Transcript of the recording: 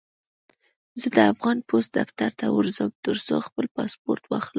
زه د افغان پوسټ دفتر ته ورځم، ترڅو خپل پاسپورټ واخلم.